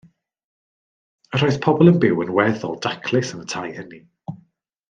Yr oedd pobl yn byw yn weddol daclus yn y tai hynny.